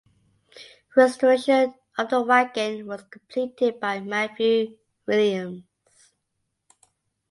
Restoration of the wagon was completed by Matthew Williams.